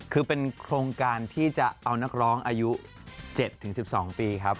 คือเป็นโครงการที่จะเอานักร้องอายุ๗๑๒ปีครับ